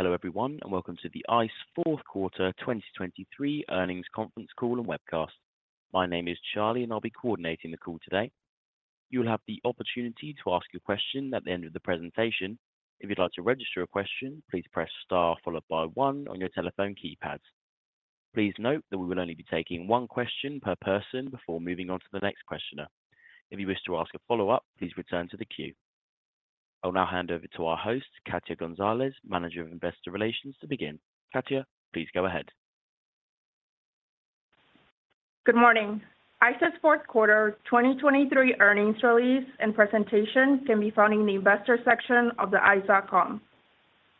Hello, everyone, and welcome to the ICE Fourth Quarter 2023 Earnings Conference Call and Webcast. My name is Charlie, and I'll be coordinating the call today. You'll have the opportunity to ask a question at the end of the presentation. If you'd like to register a question, please press Star followed by one on your telephone keypad. Please note that we will only be taking one question per person before moving on to the next questioner. If you wish to ask a follow-up, please return to the queue. I'll now hand over to our host, Katia Gonzalez, Manager of Investor Relations, to begin. Katia, please go ahead. Good morning. ICE's fourth quarter 2023 earnings release and presentation can be found in the investor section of the ice.com.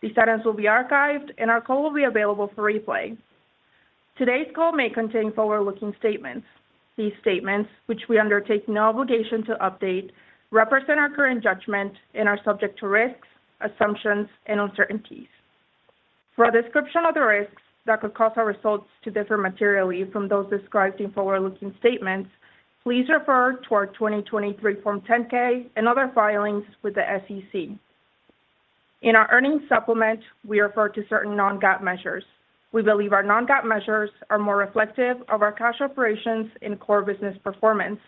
These items will be archived, and our call will be available for replay. Today's call may contain forward-looking statements. These statements, which we undertake no obligation to update, represent our current judgment and are subject to risks, assumptions, and uncertainties. For a description of the risks that could cause our results to differ materially from those described in forward-looking statements, please refer to our 2023 Form 10-K and other filings with the SEC. In our earnings supplement, we refer to certain non-GAAP measures. We believe our non-GAAP measures are more reflective of our cash operations and core business performance.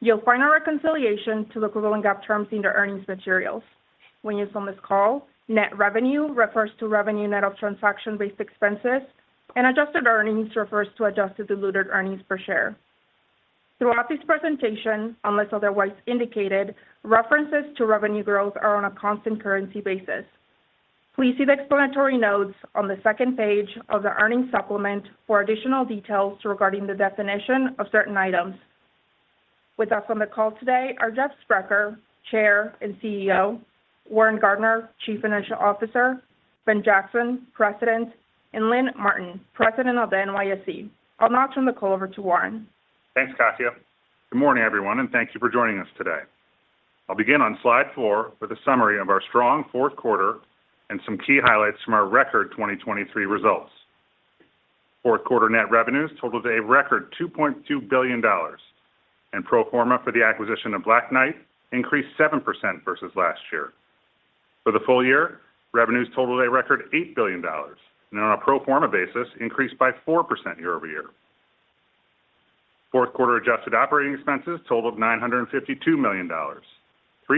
You'll find our reconciliation to equivalent GAAP terms in the earnings materials. When used on this call, net revenue refers to revenue net of transaction-based expenses, and adjusted earnings refers to adjusted diluted earnings per share. Throughout this presentation, unless otherwise indicated, references to revenue growth are on a constant currency basis. Please see the explanatory notes on the second page of the earnings supplement for additional details regarding the definition of certain items. With us on the call today are Jeff Sprecher, Chair and CEO, Warren Gardiner, Chief Financial Officer, Ben Jackson, President, and Lynn Martin, President of the NYSE. I'll now turn the call over to Warren. Thanks, Katia. Good morning, everyone, and thank you for joining us today. I'll begin on slide four with a summary of our strong fourth quarter and some key highlights from our record 2023 results. Fourth quarter net revenues totaled a record $2.2 billion, and pro forma for the acquisition of Black Knight increased 7% versus last year. For the full year, revenues totaled a record $8 billion, and on a pro forma basis, increased by 4% year-over-year. Fourth quarter adjusted operating expenses totaled $952 million, $3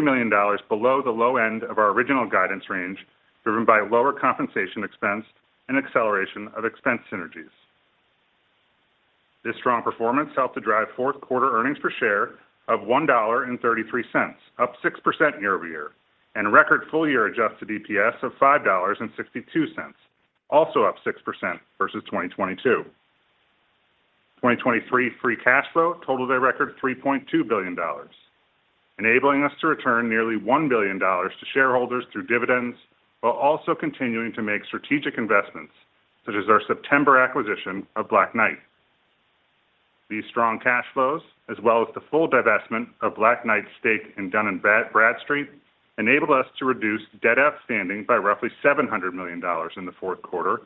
million below the low end of our original guidance range, driven by lower compensation expense and acceleration of expense synergies. This strong performance helped to drive fourth quarter earnings per share of $1.33, up 6% year-over-year, and a record full-year adjusted EPS of $5.62, also up 6% versus 2022. 2023 free cash flow totaled a record $3.2 billion, enabling us to return nearly $1 billion to shareholders through dividends, while also continuing to make strategic investments, such as our September acquisition of Black Knight. These strong cash flows, as well as the full divestment of Black Knight's stake in Dun & Bradstreet, enabled us to reduce debt outstanding by roughly $700 million in the fourth quarter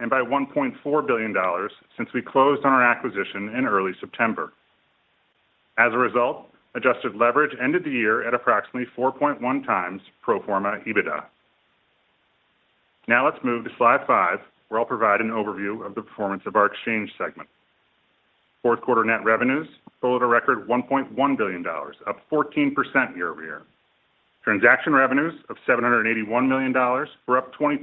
and by $1.4 billion since we closed on our acquisition in early September. As a result, adjusted leverage ended the year at approximately 4.1 times pro forma EBITDA. Now, let's move to slide five, where I'll provide an overview of the performance of our exchange segment. Fourth quarter net revenues totaled a record $1.1 billion, up 14% year-over-year. Transaction revenues of $781 million were up 22%,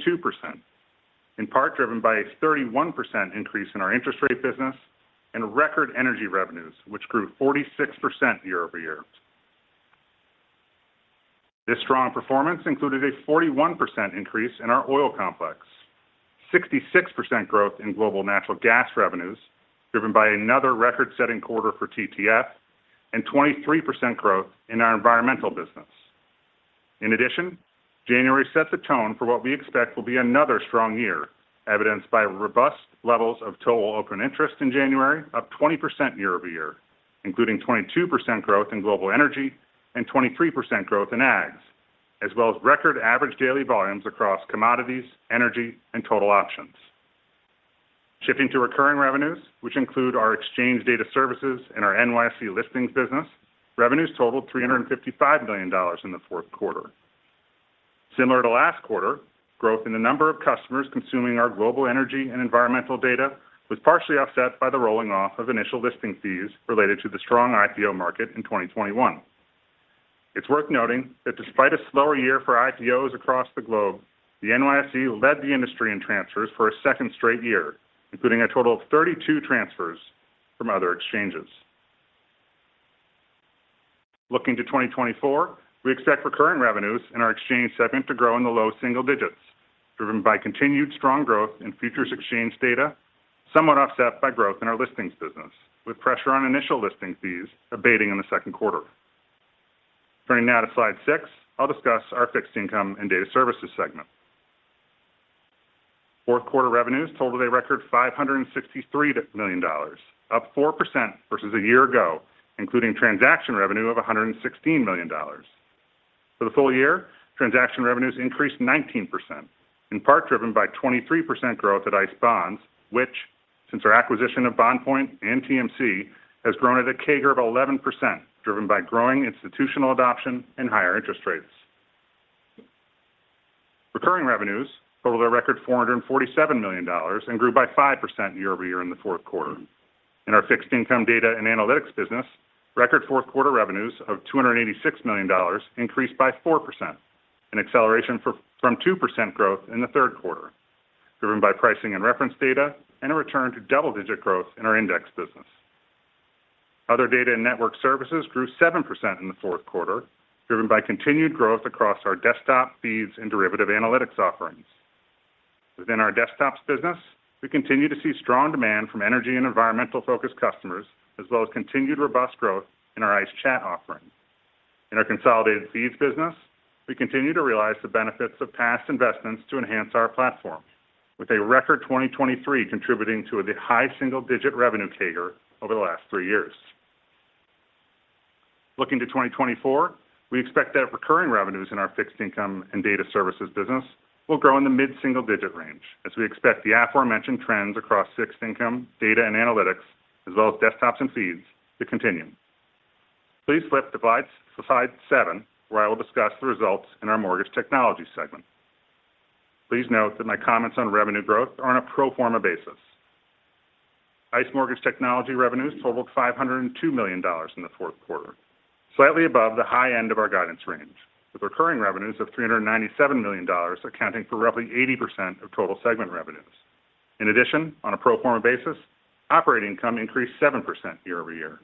in part driven by a 31% increase in our interest rate business and record energy revenues, which grew 46% year-over-year. This strong performance included a 41% increase in our oil complex, 66% growth in global natural gas revenues, driven by another record-setting quarter for TTF, and 23% growth in our environmental business. In addition, January sets a tone for what we expect will be another strong year, evidenced by robust levels of total open interest in January, up 20% year-over-year, including 22% growth in global energy and 23% growth in ADVs, as well as record average daily volumes across commodities, energy, and total options. Shifting to recurring revenues, which include our exchange data services and our NYSE listings business, revenues totaled $355 million in the fourth quarter. Similar to last quarter, growth in the number of customers consuming our global energy and environmental data was partially offset by the rolling off of initial listing fees related to the strong IPO market in 2021. It's worth noting that despite a slower year for IPOs across the globe, the NYSE led the industry in transfers for a second straight year, including a total of 32 transfers from other exchanges. Looking to 2024, we expect recurring revenues in our exchange segment to grow in the low single digits, driven by continued strong growth in futures exchange data, somewhat offset by growth in our listings business, with pressure on initial listing fees abating in the second quarter. Turning now to slide six, I'll discuss our fixed income and data services segment. Fourth quarter revenues totaled a record $563 million, up 4% versus a year ago, including transaction revenue of $116 million. For the full year, transaction revenues increased 19%, in part driven by 23% growth at ICE Bonds, which-... Since our acquisition of BondPoint and TMC has grown at a CAGR of 11%, driven by growing institutional adoption and higher interest rates. Recurring revenues totaled a record $447 million and grew by 5% year-over-year in the fourth quarter. In our fixed income data and analytics business, record fourth quarter revenues of $286 million increased by 4%, an acceleration from 2% growth in the third quarter, driven by pricing and reference data, and a return to double-digit growth in our index business. Other data and network services grew 7% in the fourth quarter, driven by continued growth across our desktops, feeds, and derivative analytics offerings. Within our desktops business, we continue to see strong demand from energy and environmental-focused customers, as well as continued robust growth in our ICE Chat offering. In our consolidated feeds business, we continue to realize the benefits of past investments to enhance our platform, with a record 2023 contributing to the high single-digit revenue CAGR over the last three years. Looking to 2024, we expect that recurring revenues in our fixed income and data services business will grow in the mid-single-digit range, as we expect the aforementioned trends across fixed income, data and analytics, as well as desktops and feeds to continue. Please flip to slide seven, where I will discuss the results in our mortgage technology segment. Please note that my comments on revenue growth are on a pro forma basis. ICE Mortgage Technology revenues totaled $502 million in the fourth quarter, slightly above the high end of our guidance range, with recurring revenues of $397 million, accounting for roughly 80% of total segment revenues. In addition, on a pro forma basis, operating income increased 7% year-over-year.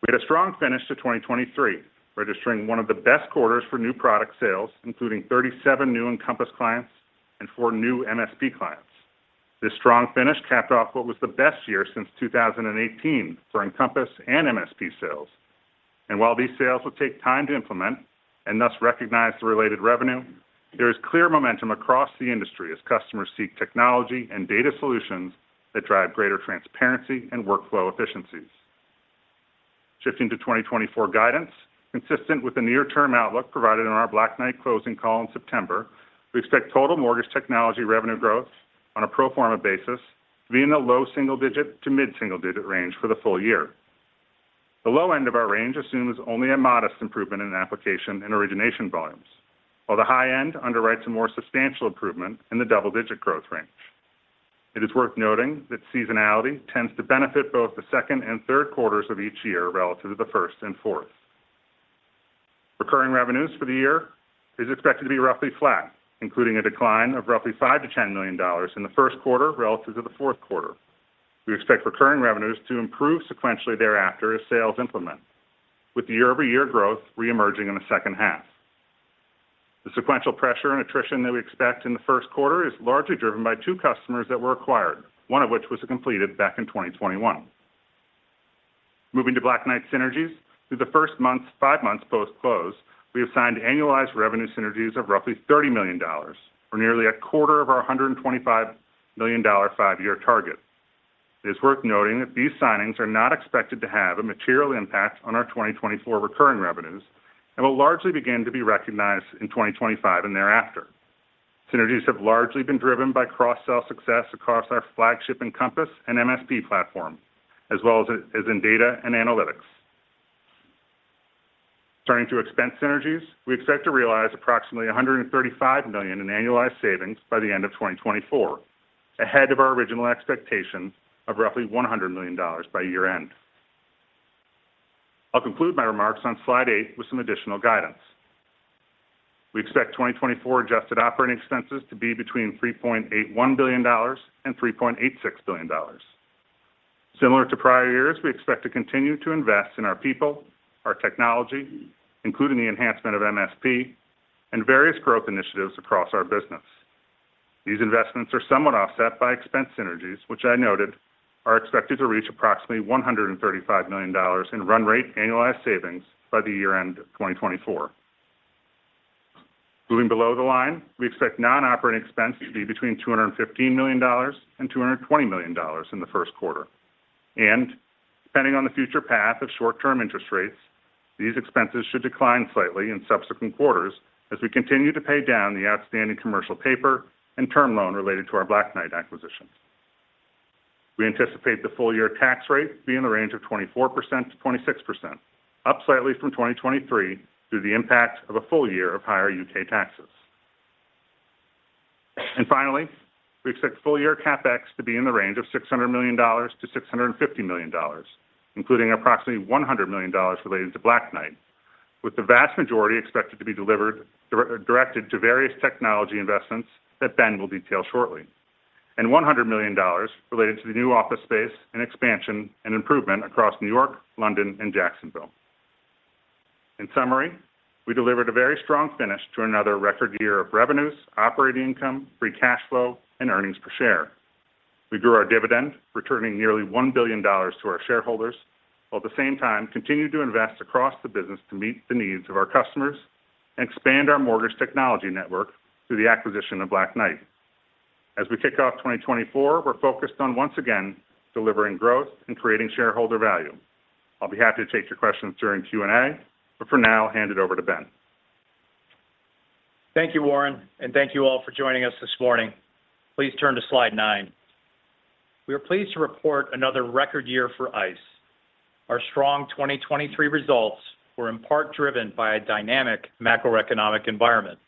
We had a strong finish to 2023, registering one of the best quarters for new product sales, including 37 new Encompass clients and four new MSP clients. This strong finish capped off what was the best year since 2018 for Encompass and MSP sales. While these sales will take time to implement and thus recognize the related revenue, there is clear momentum across the industry as customers seek technology and data solutions that drive greater transparency and workflow efficiencies. Shifting to 2024 guidance, consistent with the near-term outlook provided in our Black Knight closing call in September, we expect total mortgage technology revenue growth on a pro forma basis to be in the low single-digit to mid-single-digit range for the full year. The low end of our range assumes only a modest improvement in application and origination volumes, while the high end underwrites a more substantial improvement in the double-digit growth range. It is worth noting that seasonality tends to benefit both the second and third quarters of each year relative to the first and fourth. Recurring revenues for the year is expected to be roughly flat, including a decline of roughly $5 million-$10 million in the first quarter relative to the fourth quarter. We expect recurring revenues to improve sequentially thereafter as sales implement, with the year-over-year growth reemerging in the second half. The sequential pressure and attrition that we expect in the first quarter is largely driven by two customers that were acquired, one of which was completed back in 2021. Moving to Black Knight synergies. Through the first five months post-close, we have signed annualized revenue synergies of roughly $30 million, or nearly a quarter of our $125 million five-year target. It is worth noting that these signings are not expected to have a material impact on our 2024 recurring revenues and will largely begin to be recognized in 2025 and thereafter. Synergies have largely been driven by cross-sell success across our flagship Encompass and MSP platform, as well as in data and analytics. Turning to expense synergies, we expect to realize approximately $135 million in annualized savings by the end of 2024, ahead of our original expectation of roughly $100 million by year-end. I'll conclude my remarks on slide eight with some additional guidance. We expect 2024 adjusted operating expenses to be between $3.81 billion and $3.86 billion. Similar to prior years, we expect to continue to invest in our people, our technology, including the enhancement of MSP and various growth initiatives across our business. These investments are somewhat offset by expense synergies, which I noted are expected to reach approximately $135 million in run rate annualized savings by the year-end of 2024. Moving below the line, we expect non-operating expenses to be between $215 million and $220 million in the first quarter. And depending on the future path of short-term interest rates, these expenses should decline slightly in subsequent quarters as we continue to pay down the outstanding commercial paper and term loan related to our Black Knight acquisition. We anticipate the full-year tax rate be in the range of 24%-26%, up slightly from 2023 due to the impact of a full year of higher UK taxes. And finally, we expect full-year CapEx to be in the range of $600 million-$650 million, including approximately $100 million related to Black Knight, with the vast majority expected to be directed to various technology investments that Ben will detail shortly. $100 million related to the new office space and expansion and improvement across New York, London, and Jacksonville. In summary, we delivered a very strong finish to another record year of revenues, operating income, free cash flow, and earnings per share. We grew our dividend, returning nearly $1 billion to our shareholders, while at the same time continuing to invest across the business to meet the needs of our customers and expand our mortgage technology network through the acquisition of Black Knight. As we kick off 2024, we're focused on, once again, delivering growth and creating shareholder value. I'll be happy to take your questions during Q&A, but for now, I'll hand it over to Ben.... Thank you, Warren, and thank you all for joining us this morning. Please turn to slide nine. We are pleased to report another record year for ICE. Our strong 2023 results were in part driven by a dynamic macroeconomic environment.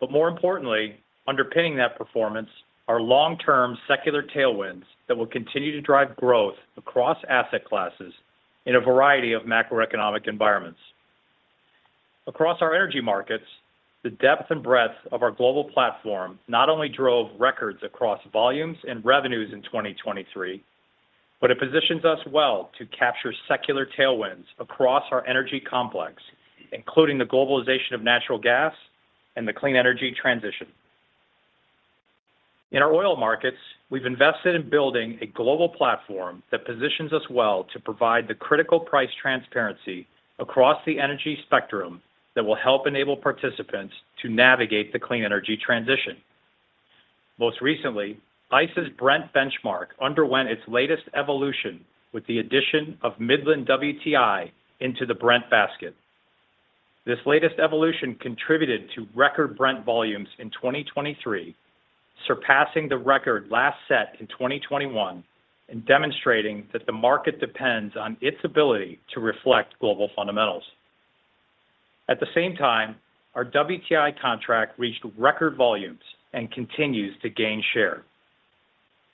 But more importantly, underpinning that performance are long-term secular tailwinds that will continue to drive growth across asset classes in a variety of macroeconomic environments. Across our energy markets, the depth and breadth of our global platform not only drove records across volumes and revenues in 2023, but it positions us well to capture secular tailwinds across our energy complex, including the globalization of natural gas and the clean energy transition. In our oil markets, we've invested in building a global platform that positions us well to provide the critical price transparency across the energy spectrum that will help enable participants to navigate the clean energy transition. Most recently, ICE's Brent benchmark underwent its latest evolution with the addition of Midland WTI into the Brent basket. This latest evolution contributed to record Brent volumes in 2023, surpassing the record last set in 2021, and demonstrating that the market depends on its ability to reflect global fundamentals. At the same time, our WTI contract reached record volumes and continues to gain share.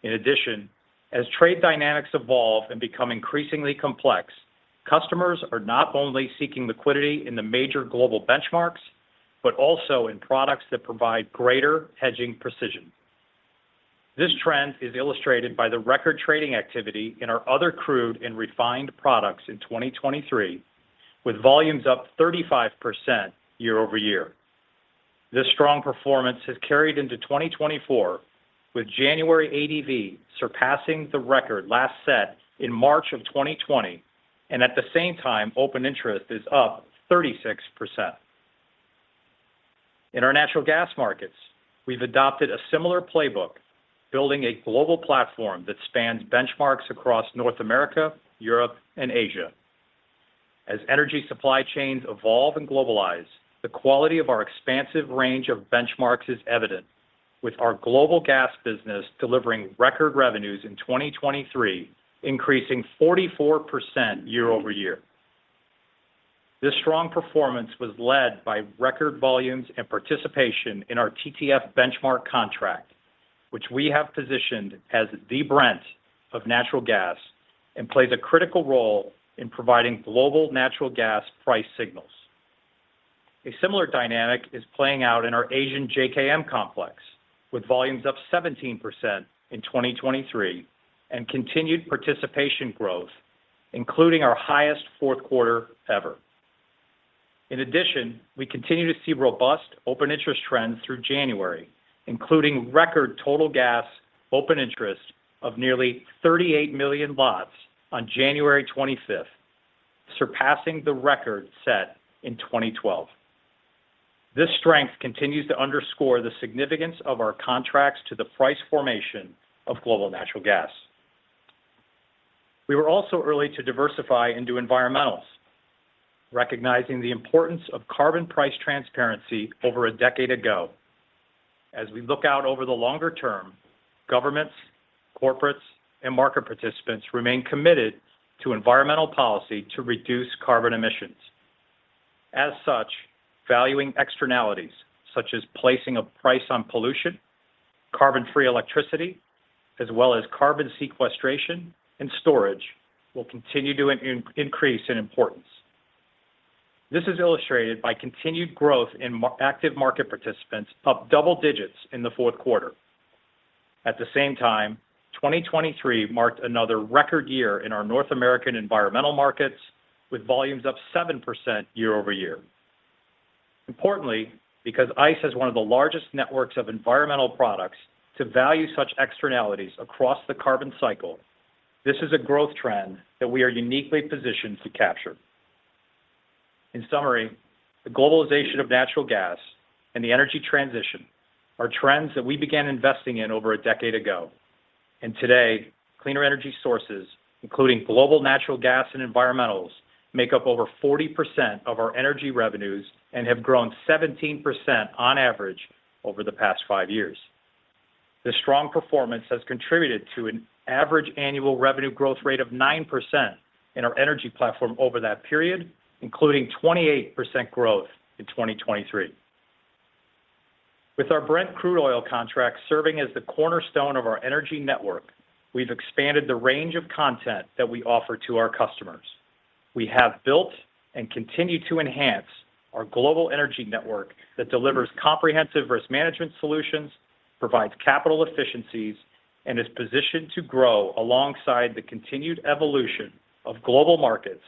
In addition, as trade dynamics evolve and become increasingly complex, customers are not only seeking liquidity in the major global benchmarks, but also in products that provide greater hedging precision. This trend is illustrated by the record trading activity in our other crude and refined products in 2023, with volumes up 35% year-over-year. This strong performance has carried into 2024, with January ADV surpassing the record last set in March of 2020, and at the same time, open interest is up 36%. In our natural gas markets, we've adopted a similar playbook, building a global platform that spans benchmarks across North America, Europe, and Asia. As energy supply chains evolve and globalize, the quality of our expansive range of benchmarks is evident, with our global gas business delivering record revenues in 2023, increasing 44% year-over-year. This strong performance was led by record volumes and participation in our TTF benchmark contract, which we have positioned as the Brent of natural gas and plays a critical role in providing global natural gas price signals. A similar dynamic is playing out in our Asian JKM complex, with volumes up 17% in 2023 and continued participation growth, including our highest fourth quarter ever. In addition, we continue to see robust open interest trends through January, including record total gas open interest of nearly 38 million lots on January 25, surpassing the record set in 2012. This strength continues to underscore the significance of our contracts to the price formation of global natural gas. We were also early to diversify into environmentals, recognizing the importance of carbon price transparency over a decade ago. As we look out over the longer term, governments, corporates, and market participants remain committed to environmental policy to reduce carbon emissions. As such, valuing externalities, such as placing a price on pollution, carbon-free electricity, as well as carbon sequestration and storage, will continue to increase in importance. This is illustrated by continued growth in our active market participants, up double digits in the fourth quarter. At the same time, 2023 marked another record year in our North American environmental markets, with volumes up 7% year-over-year. Importantly, because ICE has one of the largest networks of environmental products to value such externalities across the carbon cycle, this is a growth trend that we are uniquely positioned to capture. In summary, the globalization of natural gas and the energy transition are trends that we began investing in over a decade ago. Today, cleaner energy sources, including global natural gas and environmentals, make up over 40% of our energy revenues and have grown 17% on average over the past five years. This strong performance has contributed to an average annual revenue growth rate of 9% in our energy platform over that period, including 28% growth in 2023. With our Brent crude oil contract serving as the cornerstone of our energy network, we've expanded the range of content that we offer to our customers. We have built and continue to enhance our global energy network that delivers comprehensive risk management solutions, provides capital efficiencies, and is positioned to grow alongside the continued evolution of global markets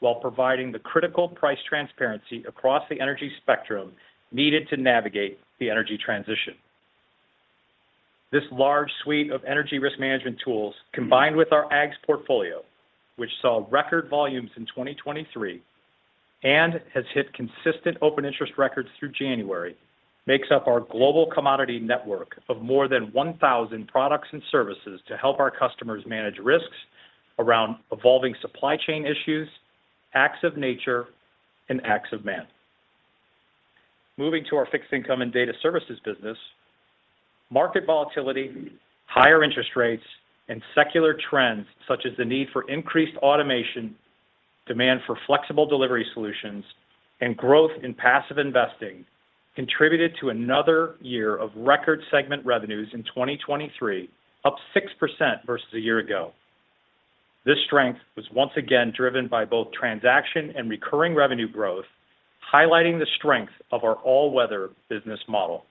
while providing the critical price transparency across the energy spectrum needed to navigate the energy transition. This large suite of energy risk management tools, combined with our AGS portfolio, which saw record volumes in 2023 and has hit consistent open interest records through January, makes up our global commodity network of more than 1,000 products and services to help our customers manage risks around evolving supply chain issues, acts of nature, and acts of man. Moving to our fixed income and data services business, market volatility, higher interest rates, and secular trends, such as the need for increased automation, demand for flexible delivery solutions, and growth in passive investing, contributed to another year of record segment revenues in 2023, up 6% versus a year ago. This strength was once again driven by both transaction and recurring revenue growth, highlighting the strength of our all-weather business model.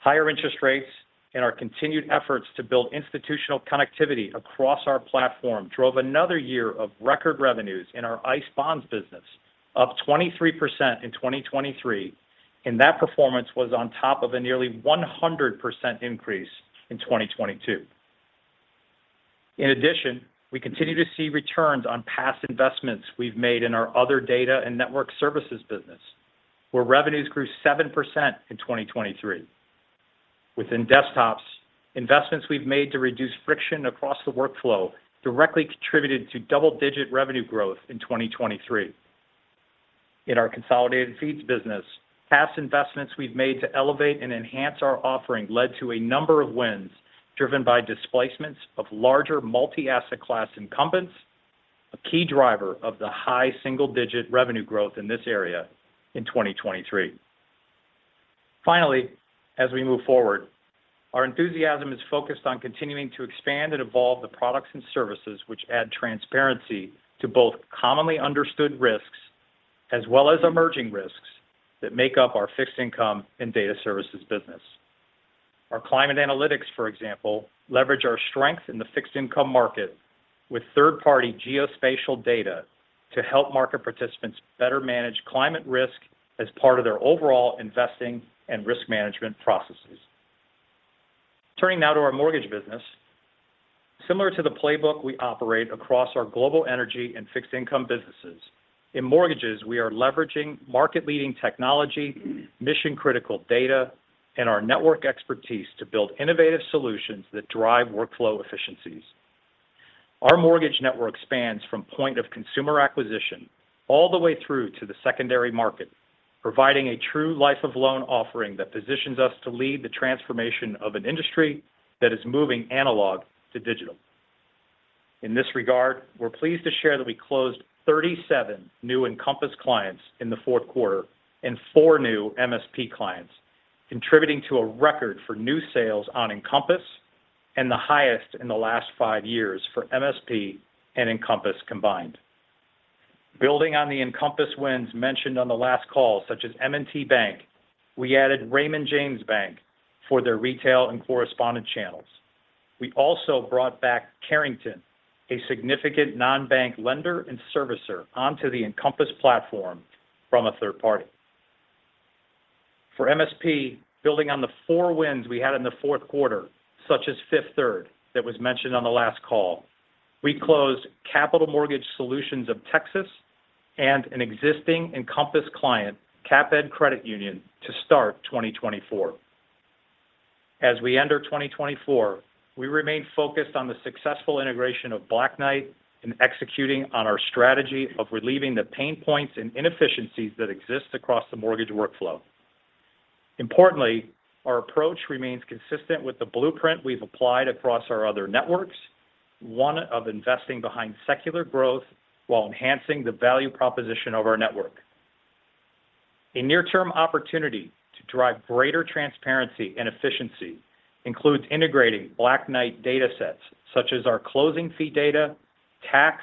Higher interest rates and our continued efforts to build institutional connectivity across our platform drove another year of record revenues in our ICE Bonds business, up 23% in 2023, and that performance was on top of a nearly 100% increase in 2022. In addition, we continue to see returns on past investments we've made in our other data and network services business, where revenues grew 7% in 2023. Within Desktops, investments we've made to reduce friction across the workflow directly contributed to double-digit revenue growth in 2023. In our Consolidated Feeds business, past investments we've made to elevate and enhance our offering led to a number of wins, driven by displacements of larger multi-asset class incumbents, a key driver of the high single-digit revenue growth in this area in 2023. Finally, as we move forward, our enthusiasm is focused on continuing to expand and evolve the products and services which add transparency to both commonly understood risks, as well as emerging risks that make up our Fixed Income and Data Services business. Our climate analytics, for example, leverage our strength in the fixed income market with third-party geospatial data to help market participants better manage climate risk as part of their overall investing and risk management processes. Turning now to our mortgage business. Similar to the playbook we operate across our global energy and Fixed Income businesses, in mortgages, we are leveraging market-leading technology, mission-critical data, and our network expertise to build innovative solutions that drive workflow efficiencies. Our mortgage network spans from point of consumer acquisition all the way through to the secondary market, providing a true life-of-loan offering that positions us to lead the transformation of an industry that is moving analog to digital. In this regard, we're pleased to share that we closed 37 new Encompass clients in the fourth quarter and four new MSP clients, contributing to a record for new sales on Encompass and the highest in the last 5 years for MSP and Encompass combined. Building on the Encompass wins mentioned on the last call, such as M&T Bank, we added Raymond James Bank for their retail and correspondent channels. We also brought back Carrington, a significant non-bank lender and servicer, onto the Encompass platform from a third party. For MSP, building on the four wins we had in the fourth quarter, such as Fifth Third, that was mentioned on the last call, we closed Capital Mortgage Solutions of Texas and an existing Encompass client, CapEd Credit Union, to start 2024. As we enter 2024, we remain focused on the successful integration of Black Knight and executing on our strategy of relieving the pain points and inefficiencies that exist across the mortgage workflow. Importantly, our approach remains consistent with the blueprint we've applied across our other networks, one of investing behind secular growth while enhancing the value proposition of our network. A near-term opportunity to drive greater transparency and efficiency includes integrating Black Knight data sets, such as our closing fee data, tax,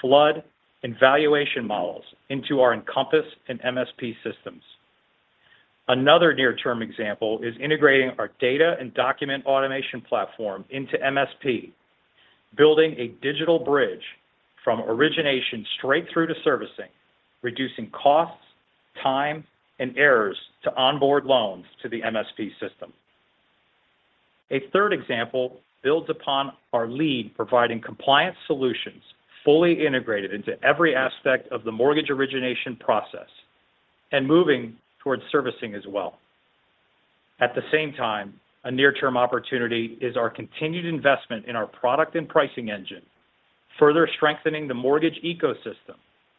flood, and valuation models into our Encompass and MSP systems. Another near-term example is integrating our data and document automation platform into MSP, building a digital bridge from origination straight through to servicing, reducing costs, time, and errors to onboard loans to the MSP system. A third example builds upon our lead, providing compliance solutions fully integrated into every aspect of the mortgage origination process and moving towards servicing as well. At the same time, a near-term opportunity is our continued investment in our product and pricing engine, further strengthening the mortgage ecosystem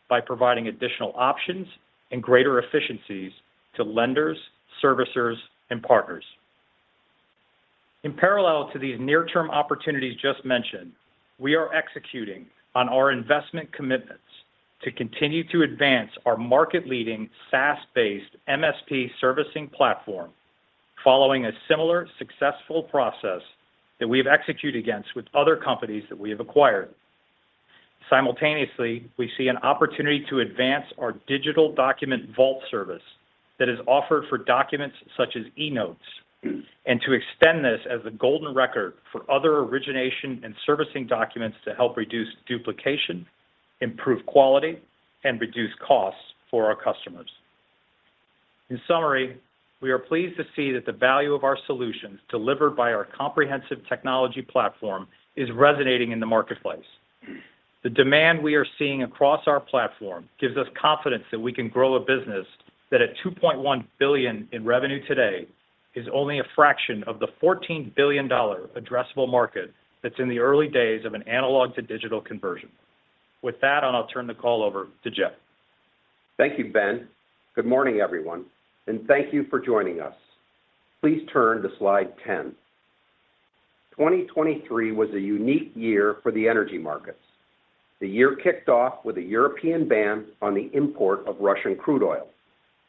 by providing additional options and greater efficiencies to lenders, servicers, and partners. In parallel to these near-term opportunities just mentioned, we are executing on our investment commitments to continue to advance our market-leading, SaaS-based MSP servicing platform, following a similar successful process that we've executed against with other companies that we have acquired. Simultaneously, we see an opportunity to advance our digital document vault service that is offered for documents such as eNotes, and to extend this as a golden record for other origination and servicing documents to help reduce duplication, improve quality, and reduce costs for our customers. In summary, we are pleased to see that the value of our solutions delivered by our comprehensive technology platform is resonating in the marketplace. The demand we are seeing across our platform gives us confidence that we can grow a business that at $2.1 billion in revenue today is only a fraction of the $14 billion addressable market that's in the early days of an analog to digital conversion. With that, I'll now turn the call over to Jeff. Thank you, Ben. Good morning, everyone, and thank you for joining us. Please turn to slide 10. 2023 was a unique year for the energy markets. The year kicked off with a European ban on the import of Russian crude oil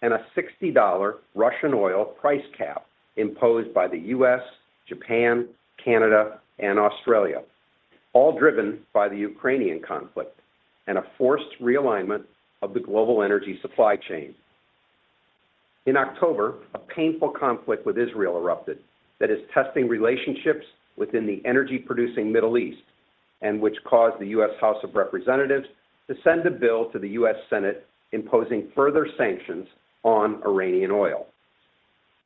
and a $60 Russian oil price cap imposed by the U.S., Japan, Canada, and Australia, all driven by the Ukrainian conflict and a forced realignment of the global energy supply chain. In October, a painful conflict with Israel erupted that is testing relationships within the energy-producing Middle East, and which caused the U.S. House of Representatives to send a bill to the U.S. Senate imposing further sanctions on Iranian oil.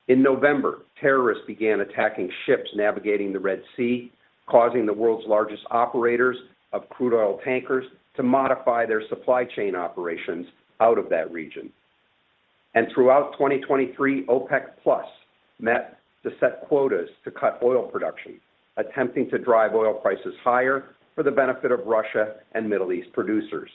In November, terrorists began attacking ships navigating the Red Sea, causing the world's largest operators of crude oil tankers to modify their supply chain operations out of that region. Throughout 2023, OPEC Plus met to set quotas to cut oil production, attempting to drive oil prices higher for the benefit of Russia and Middle East producers.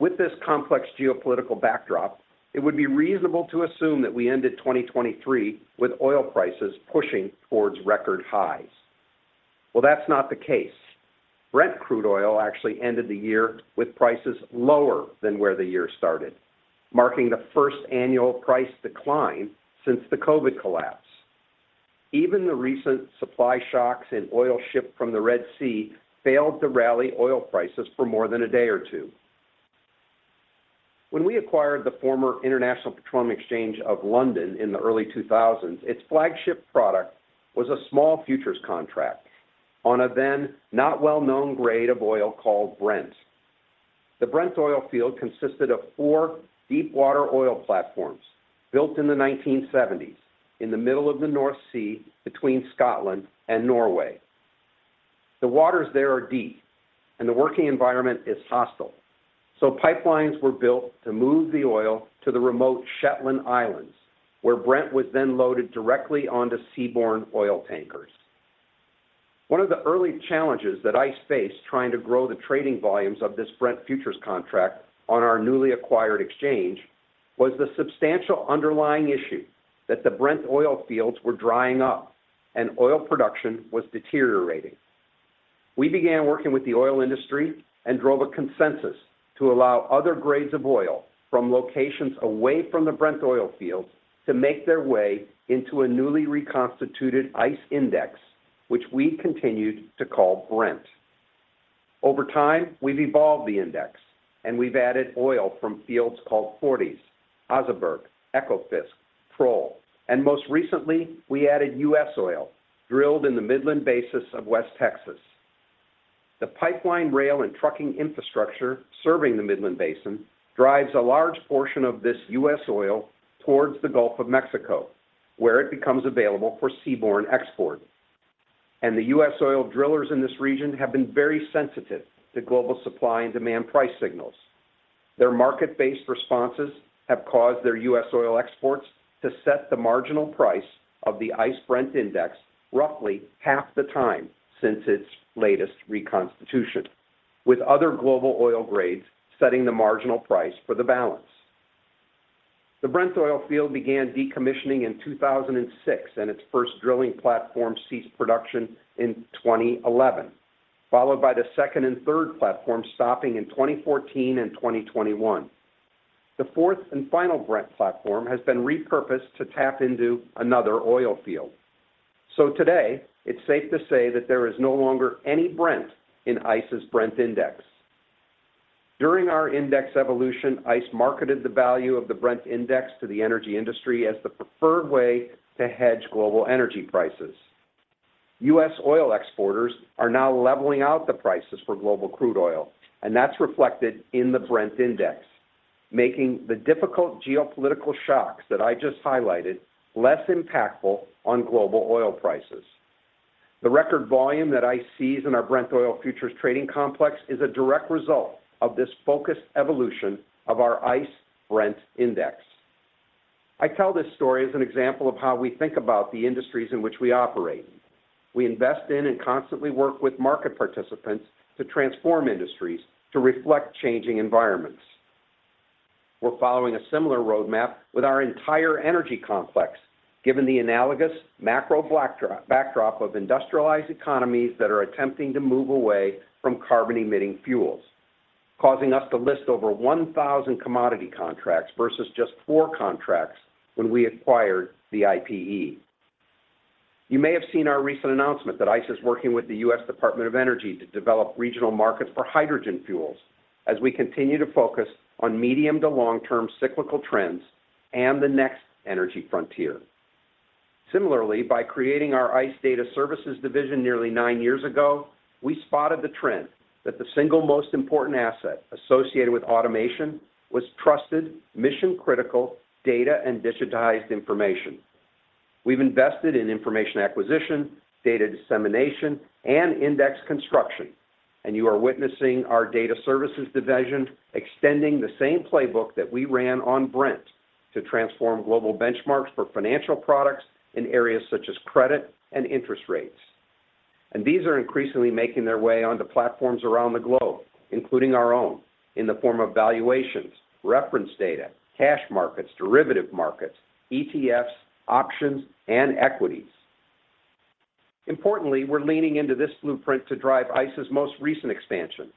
With this complex geopolitical backdrop, it would be reasonable to assume that we ended 2023 with oil prices pushing towards record highs. Well, that's not the case. Brent crude oil actually ended the year with prices lower than where the year started, marking the first annual price decline since the COVID collapse. Even the recent supply shocks in oil shipped from the Red Sea failed to rally oil prices for more than a day or two. When we acquired the former International Petroleum Exchange of London in the early 2000s, its flagship product was a small futures contract on a then not well-known grade of oil called Brent. The Brent oil field consisted of four deepwater oil platforms built in the 1970s in the middle of the North Sea, between Scotland and Norway. The waters there are deep, and the working environment is hostile, so pipelines were built to move the oil to the remote Shetland Islands, where Brent was then loaded directly onto seaborne oil tankers. One of the early challenges that ICE faced trying to grow the trading volumes of this Brent futures contract on our newly acquired exchange was the substantial underlying issue that the Brent oil fields were drying up and oil production was deteriorating. We began working with the oil industry and drove a consensus to allow other grades of oil from locations away from the Brent oil field to make their way into a newly reconstituted ICE index, which we continued to call Brent. Over time, we've evolved the index, and we've added oil from fields called Forties, Oseberg, Ekofisk, Troll, and most recently, we added U.S. oil drilled in the Midland Basin of West Texas. The pipeline, rail, and trucking infrastructure serving the Midland Basin drives a large portion of this U.S. oil towards the Gulf of Mexico, where it becomes available for seaborne export. The U.S. oil drillers in this region have been very sensitive to global supply and demand price signals. Their market-based responses have caused their U.S. oil exports to set the marginal price of the ICE Brent Index roughly half the time since its latest reconstitution, with other global oil grades setting the marginal price for the balance. The Brent oil field began decommissioning in 2006, and its first drilling platform ceased production in 2011, followed by the second and third platform stopping in 2014 and 2021. The fourth and final Brent platform has been repurposed to tap into another oil field. Today, it's safe to say that there is no longer any Brent in ICE's Brent index. During our index evolution, ICE marketed the value of the Brent index to the energy industry as the preferred way to hedge global energy prices. U.S. oil exporters are now leveling out the prices for global crude oil, and that's reflected in the Brent index, making the difficult geopolitical shocks that I just highlighted less impactful on global oil prices. The record volume that ICE sees in our Brent Oil Futures trading complex is a direct result of this focused evolution of our ICE Brent index. I tell this story as an example of how we think about the industries in which we operate. We invest in and constantly work with market participants to transform industries to reflect changing environments. We're following a similar roadmap with our entire energy complex, given the analogous macro backdrop of industrialized economies that are attempting to move away from carbon-emitting fuels, causing us to list over 1,000 commodity contracts versus just 4 contracts when we acquired the IPE. You may have seen our recent announcement that ICE is working with the U.S. Department of Energy to develop regional markets for hydrogen fuels as we continue to focus on medium- to long-term cyclical trends and the next energy frontier. Similarly, by creating our ICE Data Services division nearly nine years ago, we spotted the trend that the single most important asset associated with automation was trusted, mission-critical data and digitized information. We've invested in information acquisition, data dissemination, and index construction.... You are witnessing our data services division extending the same playbook that we ran on Brent to transform global benchmarks for financial products in areas such as credit and interest rates. These are increasingly making their way onto platforms around the globe, including our own, in the form of valuations, reference data, cash markets, derivative markets, ETFs, options, and equities. Importantly, we're leaning into this blueprint to drive ICE's most recent expansion,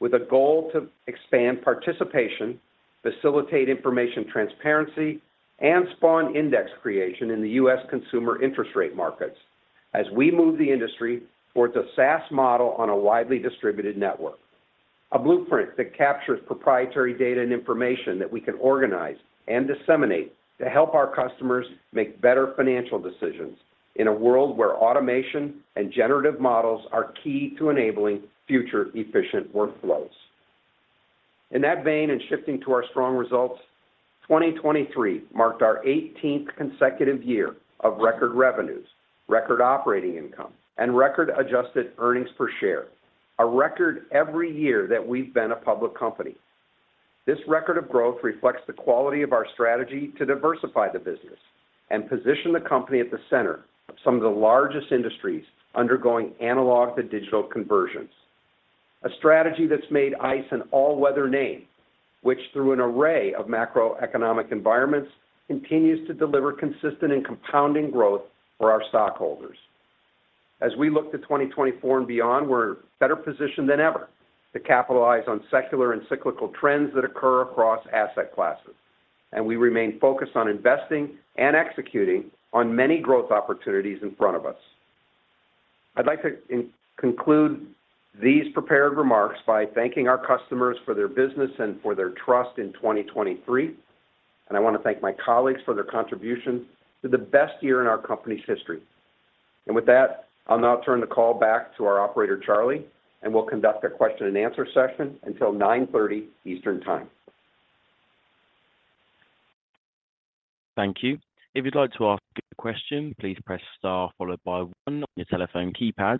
with a goal to expand participation, facilitate information transparency, and spawn index creation in the U.S. consumer interest rate markets as we move the industry towards a SaaS model on a widely distributed network. A blueprint that captures proprietary data and information that we can organize and disseminate to help our customers make better financial decisions in a world where automation and generative models are key to enabling future efficient workflows. In that vein, and shifting to our strong results, 2023 marked our eighteenth consecutive year of record revenues, record operating income, and record adjusted earnings per share. A record every year that we've been a public company. This record of growth reflects the quality of our strategy to diversify the business and position the company at the center of some of the largest industries undergoing analog to digital conversions. A strategy that's made ICE an all-weather name, which through an array of macroeconomic environments, continues to deliver consistent and compounding growth for our stockholders. As we look to 2024 and beyond, we're better positioned than ever to capitalize on secular and cyclical trends that occur across asset classes, and we remain focused on investing and executing on many growth opportunities in front of us. I'd like to conclude these prepared remarks by thanking our customers for their business and for their trust in 2023, and I want to thank my colleagues for their contribution to the best year in our company's history. With that, I'll now turn the call back to our operator, Charlie, and we'll conduct a question and answer session until 9:30 Eastern Time. Thank you. If you'd like to ask a question, please press Star, followed by one on your telephone keypad.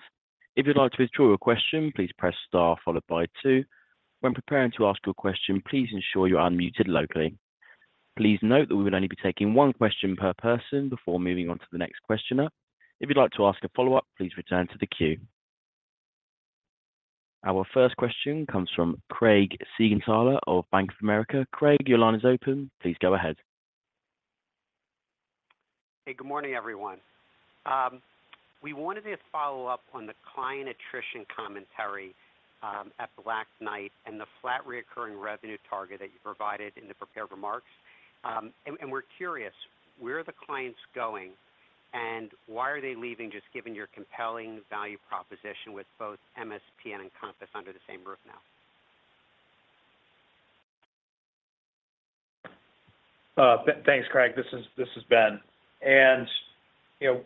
If you'd like to withdraw your question, please press Star, followed by two. When preparing to ask your question, please ensure you're unmuted locally. Please note that we would only be taking one question per person before moving on to the next questioner. If you'd like to ask a follow-up, please return to the queue. Our first question comes from Craig Siegenthaler of Bank of America. Craig, your line is open. Please go ahead. Hey, good morning, everyone. We wanted to just follow up on the client attrition commentary at the last night and the flat recurring revenue target that you provided in the prepared remarks. We're curious, where are the clients going, and why are they leaving, just given your compelling value proposition with both MSP and Encompass under the same roof now? Thanks, Craig. This is Ben. And, you know,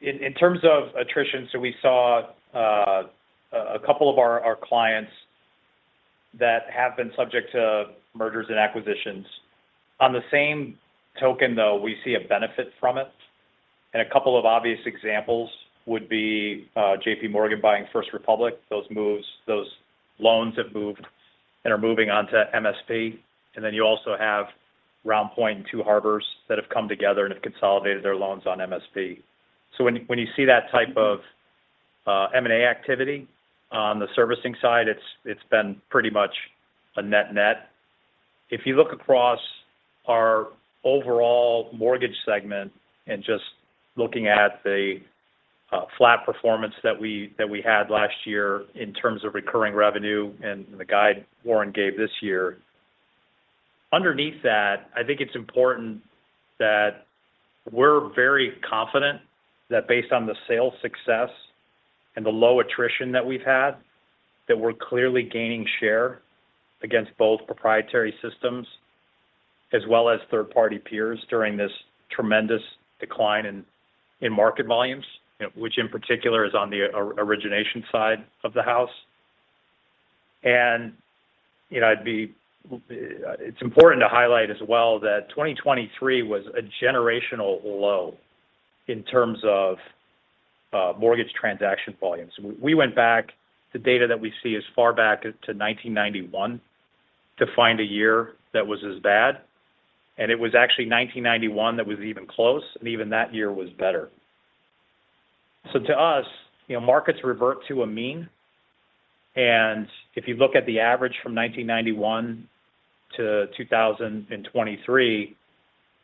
in terms of attrition, so we saw a couple of our clients that have been subject to mergers and acquisitions. On the same token, though, we see a benefit from it, and a couple of obvious examples would be JPMorgan buying First Republic. Those moves, those loans have moved and are moving on to MSP. And then you also have RoundPoint and Two Harbors that have come together and have consolidated their loans on MSP. So when you see that type of M&A activity on the servicing side, it's been pretty much a net net. If you look across our overall mortgage segment and just looking at the flat performance that we, that we had last year in terms of recurring revenue and the guide Warren gave this year, underneath that, I think it's important that we're very confident that based on the sales success and the low attrition that we've had, that we're clearly gaining share against both proprietary systems as well as third-party peers during this tremendous decline in market volumes, which in particular is on the origination side of the house. And, you know, it's important to highlight as well that 2023 was a generational low in terms of mortgage transaction volumes. We went back, the data that we see, as far back to 1991 to find a year that was as bad, and it was actually 1991 that was even close, and even that year was better. So to us, you know, markets revert to a mean, and if you look at the average from 1991 to 2023,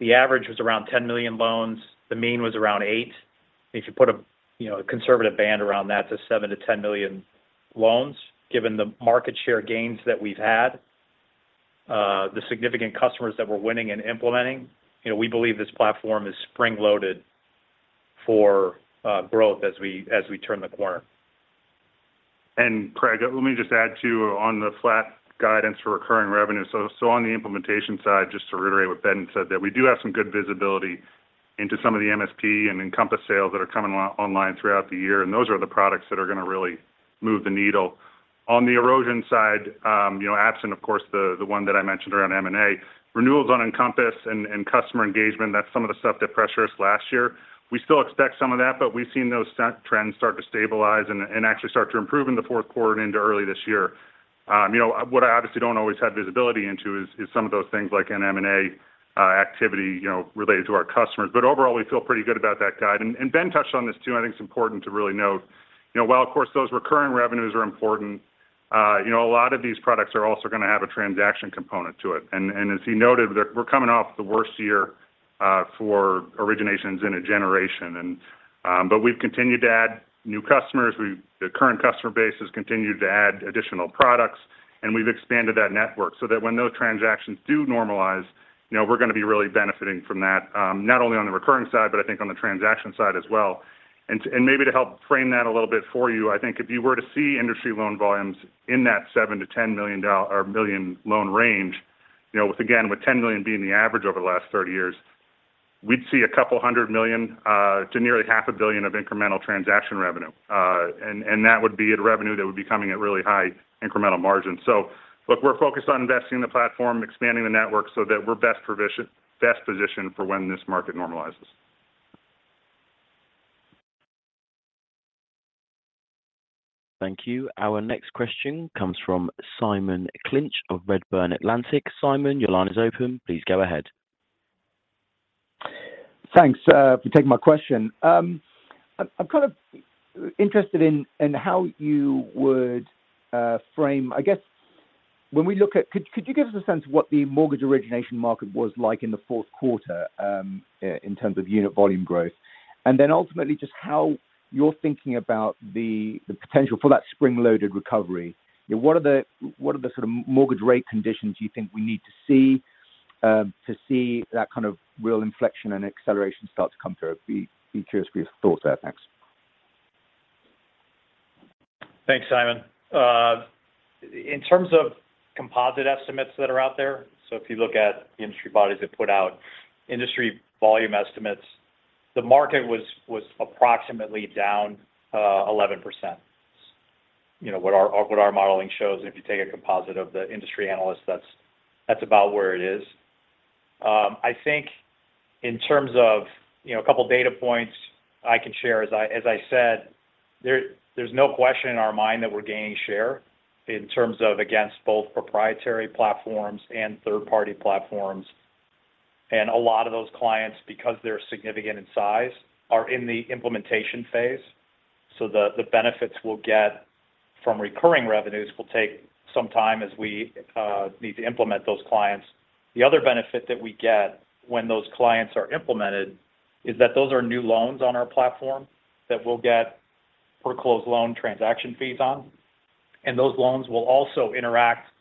the average was around 10 million loans. The mean was around eight. If you put a, you know, a conservative band around that to 7-10 million loans, given the market share gains that we've had, the significant customers that we're winning and implementing, you know, we believe this platform is spring-loaded for growth as we turn the corner. Craig, let me just add, too, on the flat guidance for recurring revenue. So on the implementation side, just to reiterate what Ben said, that we do have some good visibility into some of the MSP and Encompass sales that are coming online throughout the year, and those are the products that are going to really move the needle. On the erosion side, you know, absent, of course, the one that I mentioned around M&A, renewals on Encompass and customer engagement, that's some of the stuff that pressured us last year. We still expect some of that, but we've seen those trends start to stabilize and actually start to improve in the fourth quarter into early this year. You know, what I obviously don't always have visibility into is some of those things like an M&A activity, you know, related to our customers. But overall, we feel pretty good about that guide. And Ben touched on this too, and I think it's important to really note, you know, while, of course, those recurring revenues are important, you know, a lot of these products are also going to have a transaction component to it. As he noted, we're coming off the worst year for originations in a generation. But we've continued to add new customers. The current customer base has continued to add additional products, and we've expanded that network so that when those transactions do normalize, you know, we're going to be really benefiting from that, not only on the recurring side, but I think on the transaction side as well. Maybe to help frame that a little bit for you, I think if you were to see industry loan volumes in that 7-10 million or million loan range, you know, with, again, 10 million being the average over the last 30 years, we'd see $200 million to nearly $500 million of incremental transaction revenue. That would be a revenue that would be coming at really high incremental margins. So look, we're focused on investing in the platform, expanding the network so that we're best positioned for when this market normalizes. Thank you. Our next question comes from Simon Clinch of Redburn Atlantic. Simon, your line is open. Please go ahead. Thanks, for taking my question. I'm kind of interested in how you would frame—I guess when we look at... Could you give us a sense of what the mortgage origination market was like in the fourth quarter, in terms of unit volume growth? And then ultimately, just how you're thinking about the potential for that spring-loaded recovery. What are the sort of mortgage rate conditions you think we need to see, to see that kind of real inflection and acceleration start to come through? I'd be curious for your thoughts there. Thanks. Thanks, Simon. In terms of composite estimates that are out there, so if you look at the industry bodies that put out industry volume estimates, the market was approximately down 11%. You know, what our modeling shows, and if you take a composite of the industry analysts, that's about where it is. I think in terms of, you know, a couple of data points I can share, as I said, there's no question in our mind that we're gaining share in terms of against both proprietary platforms and third-party platforms. And a lot of those clients, because they're significant in size, are in the implementation phase. So the benefits we'll get from recurring revenues will take some time as we need to implement those clients. The other benefit that we get when those clients are implemented is that those are new loans on our platform that we'll get per closed loan transaction fees on, and those loans will also interact with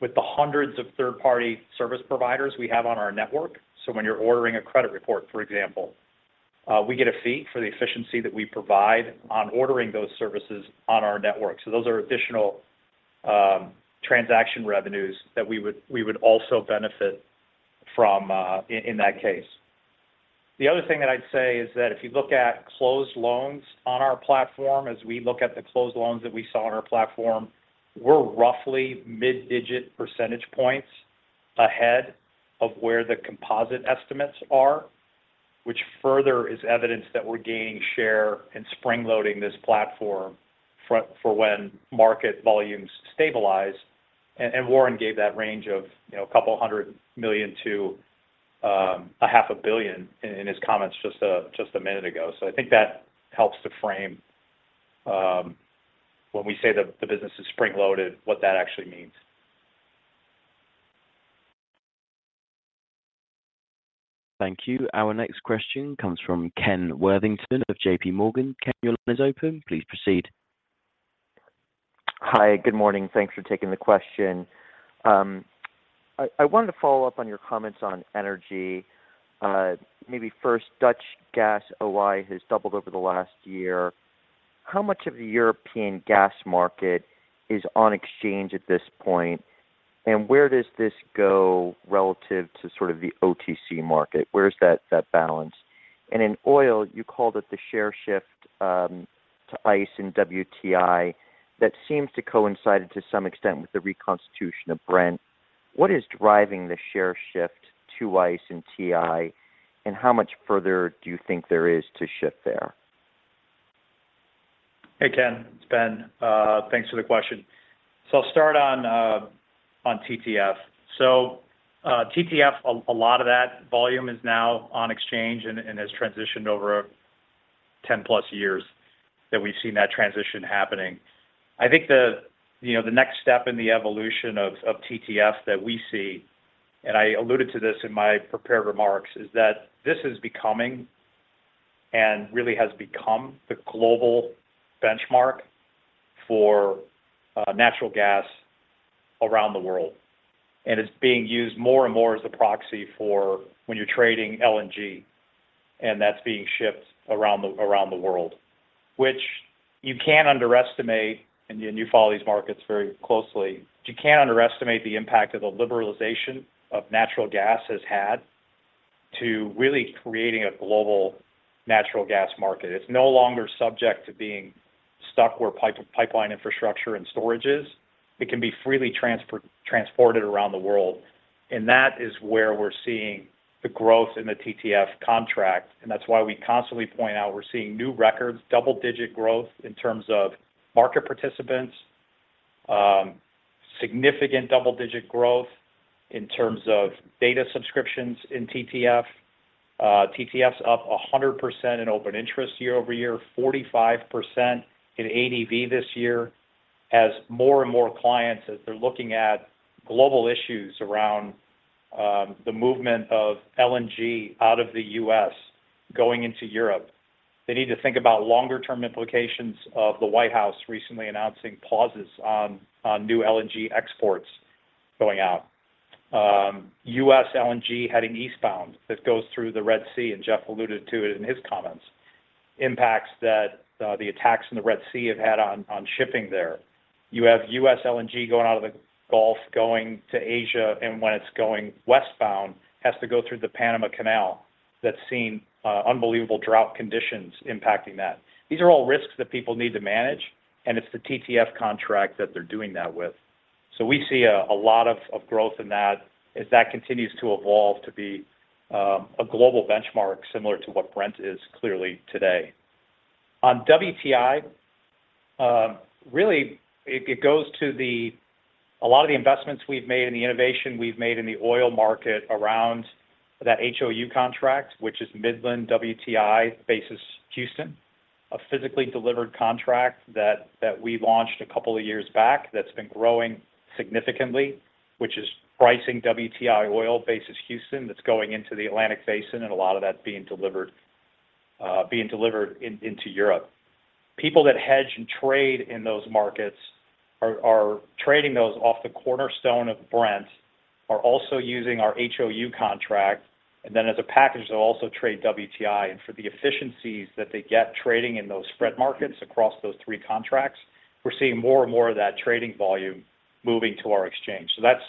the hundreds of third-party service providers we have on our network. So when you're ordering a credit report, for example, we get a fee for the efficiency that we provide on ordering those services on our network. So those are additional, transaction revenues that we would also benefit from, in that case. The other thing that I'd say is that if you look at closed loans on our platform, as we look at the closed loans that we saw on our platform, we're roughly mid-digit percentage points ahead of where the composite estimates are, which further is evidence that we're gaining share and spring-loading this platform for when market volumes stabilize. And Warren gave that range of, you know, a couple of hundred million to a half a billion in his comments just a minute ago. So I think that helps to frame when we say that the business is spring-loaded, what that actually means. Thank you. Our next question comes from Ken Worthington of JPMorgan. Ken, your line is open. Please proceed. Hi, good morning. Thanks for taking the question. I wanted to follow up on your comments on energy. Maybe first, Dutch gas, OI, has doubled over the last year. How much of the European gas market is on exchange at this point? And where does this go relative to sort of the OTC market? Where is that, that balance? And in oil, you called it the share shift, to ICE and WTI. That seems to coincide to some extent with the reconstitution of Brent. What is driving the share shift to ICE and WTI, and how much further do you think there is to shift there? Hey, Ken, it's Ben. Thanks for the question. So I'll start on TTF. So, TTF, a lot of that volume is now on exchange and has transitioned over 10+ years that we've seen that transition happening. I think you know the next step in the evolution of TTF that we see, and I alluded to this in my prepared remarks, is that this is becoming and really has become the global benchmark for natural gas around the world. And it's being used more and more as a proxy for when you're trading LNG, and that's being shipped around the world, which you can't underestimate, and you follow these markets very closely. You can't underestimate the impact of the liberalization of natural gas has had to really creating a global natural gas market. It's no longer subject to being stuck where pipeline infrastructure and storage is. It can be freely transported around the world, and that is where we're seeing the growth in the TTF contract. And that's why we constantly point out we're seeing new records, double-digit growth in terms of market participants, significant double-digit growth in terms of data subscriptions in TTF. TTF's up 100% in open interest year-over-year, 45% in ADV this year. As more and more clients, as they're looking at global issues around the movement of LNG out of the U.S. going into Europe, they need to think about longer-term implications of the White House recently announcing pauses on new LNG exports going out. U.S. LNG heading eastbound, that goes through the Red Sea, and Jeff alluded to it in his comments, impacts that the attacks in the Red Sea have had on shipping there. You have U.S. LNG going out of the Gulf, going to Asia, and when it's going westbound, has to go through the Panama Canal. That's seen unbelievable drought conditions impacting that. These are all risks that people need to manage, and it's the TTF contract that they're doing that with. So we see a lot of growth in that as that continues to evolve to be a global benchmark, similar to what Brent is clearly today. On WTI, really, it goes to the investments we've made and the innovation we've made in the oil market around that HOU contract, which is Midland WTI, basis Houston, a physically delivered contract that we launched a couple of years back, that's been growing significantly, which is pricing WTI oil, basis Houston, that's going into the Atlantic Basin, and a lot of that's being delivered into Europe. People that hedge and trade in those markets are trading those off the cornerstone of Brent, are also using our HOU contract, and then as a package, they'll also trade WTI. For the efficiencies that they get trading in those spread markets across those three contracts, we're seeing more and more of that trading volume moving to our exchange. So that's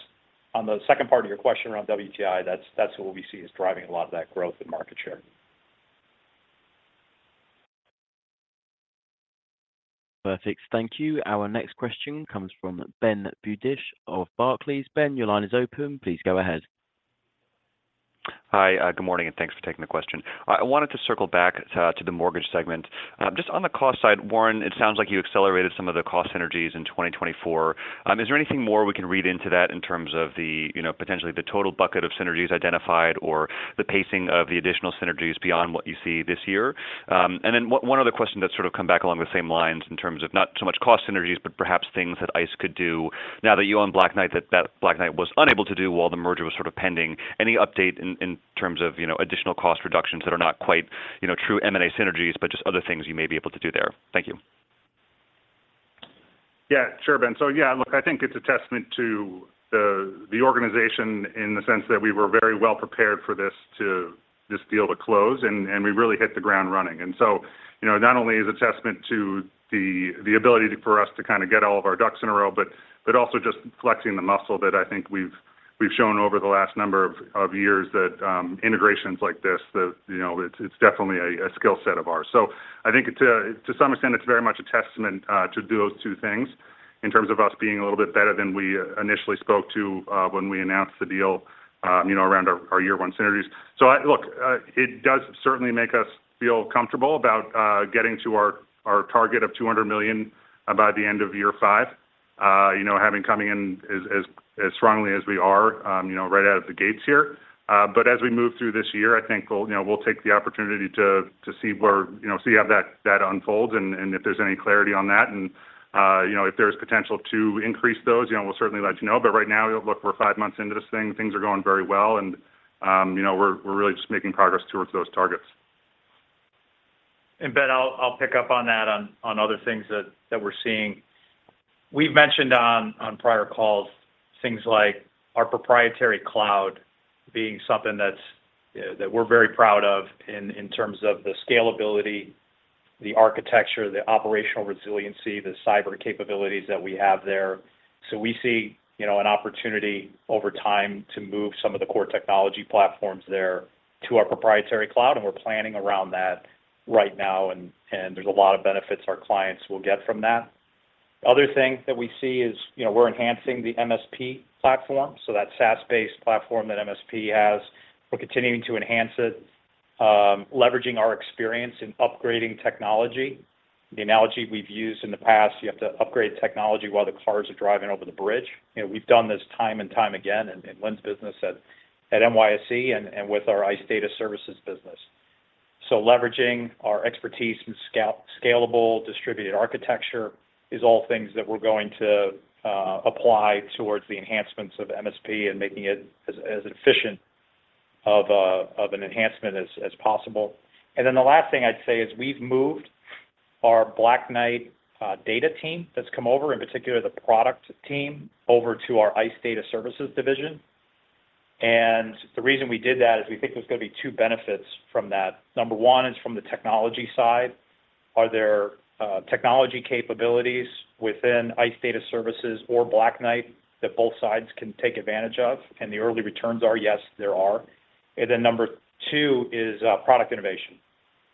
on the second part of your question around WTI. That's what we see as driving a lot of that growth in market share. Perfect. Thank you. Our next question comes from Ben Budish of Barclays. Ben, your line is open. Please go ahead. Hi, good morning, and thanks for taking the question. I wanted to circle back to, to the mortgage segment. Just on the cost side, Warren, it sounds like you accelerated some of the cost synergies in 2024. Is there anything more we can read into that in terms of the, you know, potentially the total bucket of synergies identified or the pacing of the additional synergies beyond what you see this year? And then one, one other question that sort of come back along the same lines in terms of not so much cost synergies, but perhaps things that ICE could do now that you own Black Knight, that, that Black Knight was unable to do while the merger was sort of pending. Any update in terms of, you know, additional cost reductions that are not quite, you know, true M&A synergies, but just other things you may be able to do there? Thank you. Yeah, sure, Ben. So yeah, look, I think it's a testament to the organization in the sense that we were very well prepared for this—this deal to close, and we really hit the ground running. And so, you know, not only is it a testament to the ability for us to kind of get all of our ducks in a row, but also just flexing the muscle that I think we've shown over the last number of years that integrations like this, you know, it's definitely a skill set of ours. So I think it to some extent, it's very much a testament to those two things in terms of us being a little bit better than we initially spoke to when we announced the deal, you know, around our year-one synergies. So, look, it does certainly make us feel comfortable about getting to our target of $200 million by the end of year five, you know, having coming in as, as, as strongly as we are, you know, right out of the gates here. But as we move through this year, I think we'll, you know, we'll take the opportunity to see where, you know, see how that, that unfolds and, and if there's any clarity on that. And, you know, if there's potential to increase those, you know, we'll certainly let you know. But right now, look, we're five months into this thing. Things are going very well, and, you know, we're, we're really just making progress towards those targets. Ben, I'll pick up on that, on other things that we're seeing. We've mentioned on prior calls, things like our proprietary cloud being something that's that we're very proud of in terms of the scalability, the architecture, the operational resiliency, the cyber capabilities that we have there. So we see, you know, an opportunity over time to move some of the core technology platforms there to our proprietary cloud, and we're planning around that right now, and there's a lot of benefits our clients will get from that. Other things that we see is, you know, we're enhancing the MSP platform, so that SaaS-based platform that MSP has, we're continuing to enhance it, leveraging our experience in upgrading technology. The analogy we've used in the past, you have to upgrade technology while the cars are driving over the bridge. You know, we've done this time and time again in Lynn's business at NYSE and with our ICE Data Services business. So leveraging our expertise in scalable, distributed architecture is all things that we're going to apply towards the enhancements of MSP and making it as efficient of an enhancement as possible. And then the last thing I'd say is we've moved our Black Knight data team that's come over, in particular, the product team, over to our ICE Data Services division. And the reason we did that is we think there's going to be two benefits from that. Number one is from the technology side. Are there technology capabilities within ICE Data Services or Black Knight that both sides can take advantage of? And the early returns are, yes, there are. Number two is product innovation.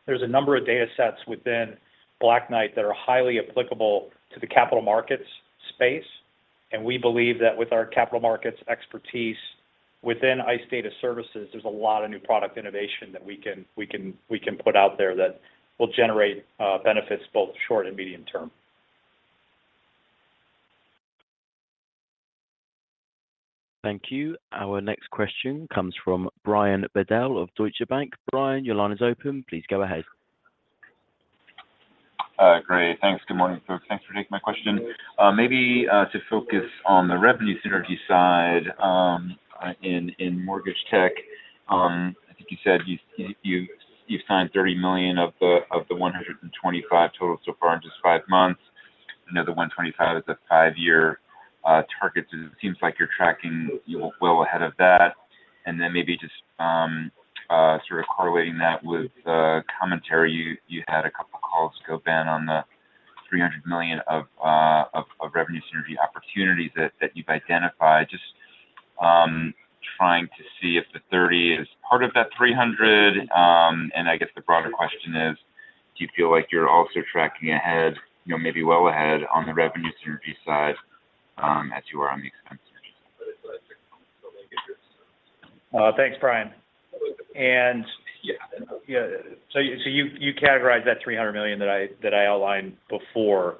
There's a number of data sets within Black Knight that are highly applicable to the capital markets space, and we believe that with our capital markets expertise within ICE Data Services, there's a lot of new product innovation that we can put out there that will generate benefits both short and medium term. Thank you. Our next question comes from Brian Bedell of Deutsche Bank. Brian, your line is open. Please go ahead. Great. Thanks. Good morning, folks. Thanks for taking my question. Maybe to focus on the revenue synergy side in mortgage tech. I think you said you've signed $30 million of the $125 total so far in just five months. Another $125 million is a five-year target. It seems like you're tracking, you're well ahead of that. And then maybe just sort of correlating that with the commentary you had a couple of calls ago on the $300 million of revenue synergy opportunities that you've identified. Just, trying to see if the $30 is part of that $300, and I guess the broader question is: do you feel like you're also tracking ahead, you know, maybe well ahead on the revenue synergy side, as you are on the expenses? Thanks, Brian. And yeah, yeah. So you categorized that $300 million that I outlined before.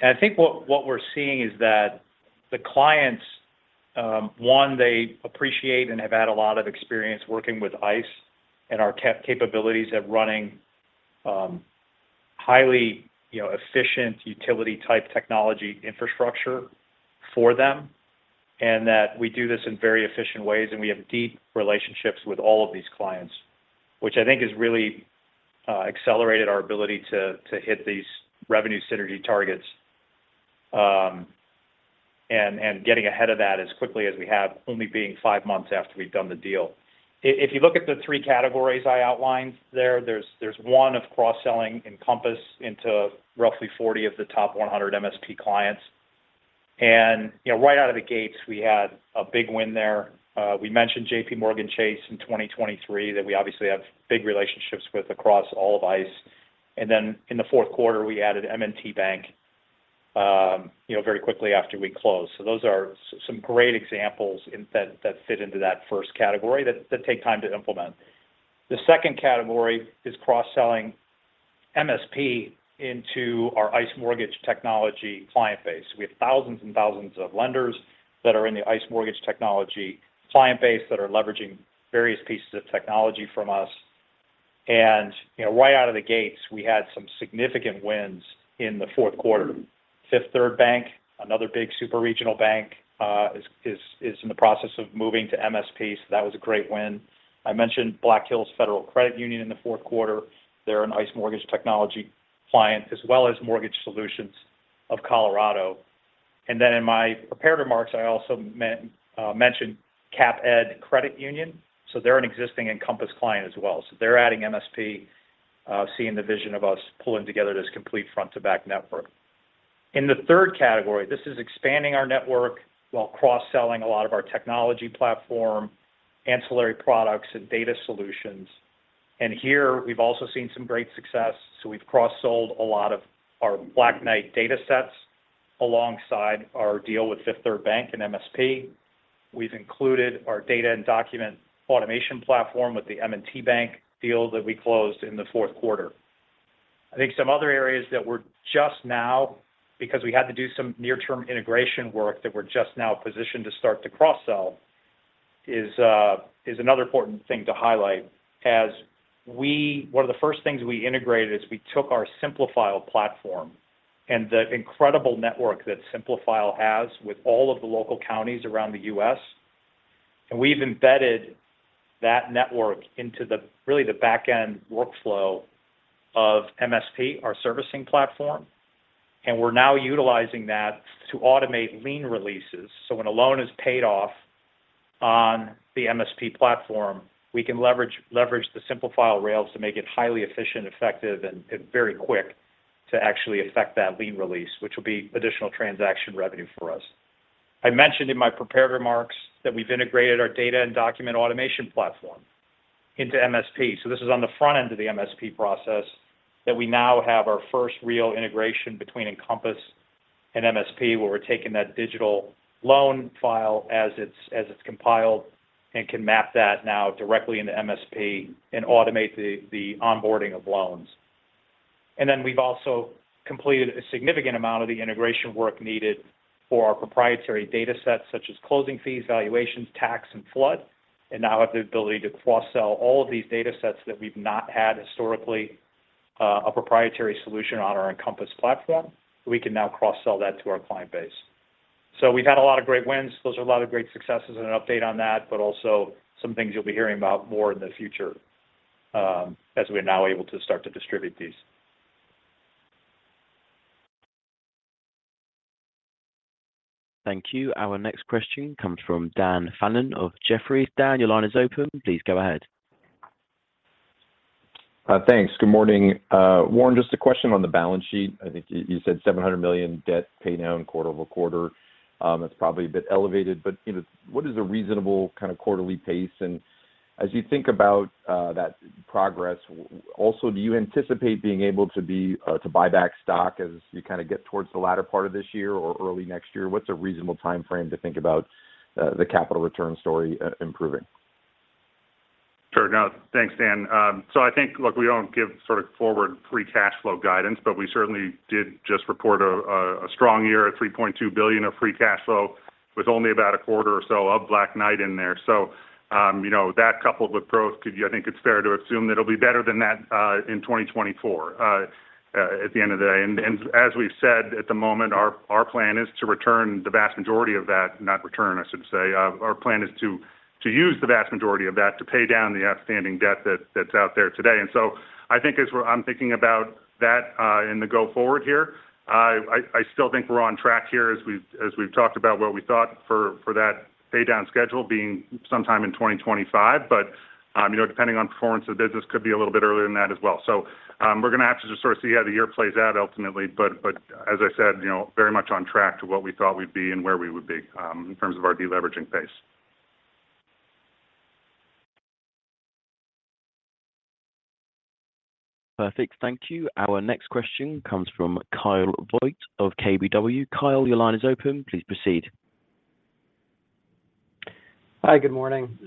And I think what we're seeing is that the clients, one, they appreciate and have had a lot of experience working with ICE and our capabilities at running highly, you know, efficient utility-type technology infrastructure for them, and that we do this in very efficient ways, and we have deep relationships with all of these clients, which I think has really accelerated our ability to hit these revenue synergy targets, and getting ahead of that as quickly as we have, only being 5 months after we've done the deal. If you look at the three categories I outlined there, there's one of cross-selling Encompass into roughly 40 of the top 100 MSP clients. And, you know, right out of the gates, we had a big win there. We mentioned JPMorgan Chase in 2023, that we obviously have big relationships with across all of ICE. And then in the fourth quarter, we added M&T Bank, you know, very quickly after we closed. So those are some great examples in that fit into that first category that take time to implement. The second category is cross-selling MSP into our ICE mortgage technology client base. We have thousands and thousands of lenders that are in the ICE Mortgage Technology client base that are leveraging various pieces of technology from us. And, you know, right out of the gates, we had some significant wins in the fourth quarter. Fifth Third Bank, another big super regional bank, is in the process of moving to MSP. So that was a great win. I mentioned Black Hills Federal Credit Union in the fourth quarter. They're an ICE Mortgage Technology client, as well as Mortgage Solutions of Colorado. And then in my prepared remarks, I also mentioned Cap Ed Credit Union, so they're an existing Encompass client as well. So they're adding MSP, seeing the vision of us pulling together this complete front-to-back network. In the third category, this is expanding our network while cross-selling a lot of our technology platform, ancillary products, and data solutions. And here, we've also seen some great success. So we've cross-sold a lot of our Black Knight data sets alongside our deal with Fifth Third Bank and MSP. We've included our data and document automation platform with the M&T Bank deal that we closed in the fourth quarter. I think some other areas that we're just now, because we had to do some near-term integration work, that we're just now positioned to start to cross-sell is another important thing to highlight. As we, one of the first things we integrated is we took our Simplifile platform and the incredible network that Simplifile has with all of the local counties around the U.S., and we've embedded that network into the, really, the back-end workflow of MSP, our servicing platform, and we're now utilizing that to automate lien releases. So when a loan is paid off on the MSP platform, we can leverage the Simplifile rails to make it highly efficient, effective, and very quick to actually affect that lien release, which will be additional transaction revenue for us. I mentioned in my prepared remarks that we've integrated our data and document automation platform into MSP. So this is on the front end of the MSP process, that we now have our first real integration between Encompass and MSP, where we're taking that digital loan file as it's, as it's compiled, and can map that now directly into MSP and automate the, the onboarding of loans. And then we've also completed a significant amount of the integration work needed for our proprietary data sets, such as closing fees, valuations, tax, and flood, and now have the ability to cross-sell all of these data sets that we've not had historically, a proprietary solution on our Encompass platform. We can now cross-sell that to our client base. So we've had a lot of great wins. Those are a lot of great successes and an update on that, but also some things you'll be hearing about more in the future, as we're now able to start to distribute these. Thank you. Our next question comes from Dan Fannon of Jefferies. Dan, your line is open. Please go ahead. Thanks. Good morning. Warren, just a question on the balance sheet. I think you said $700 million debt pay down quarter-over-quarter, that's probably a bit elevated, but, you know, what is a reasonable kind of quarterly pace? And as you think about that progress, also, do you anticipate being able to buy back stock as you kind of get towards the latter part of this year or early next year? What's a reasonable time frame to think about the capital return story improving? Sure. No, thanks, Dan. So I think, look, we don't give sort of forward free cash flow guidance, but we certainly did just report a strong year at $3.2 billion of free cash flow, with only about a quarter or so of Black Knight in there. So, you know, that coupled with growth, could be. I think it's fair to assume that it'll be better than that in 2024, at the end of the day. And as we've said at the moment, our plan is to return the vast majority of that, not return, I should say, our plan is to use the vast majority of that to pay down the outstanding debt that's out there today. And so I think as we're I'm thinking about that, in the go forward here, I still think we're on track here as we've talked about what we thought for that pay down schedule being sometime in 2025. But, you know, depending on performance, the business could be a little bit earlier than that as well. So, we're going to have to just sort of see how the year plays out ultimately. But as I said, you know, very much on track to what we thought we'd be and where we would be, in terms of our deleveraging pace. Perfect. Thank you. Our next question comes from Kyle Voigt of KBW. Kyle, your line is open. Please proceed. Hi, good morning.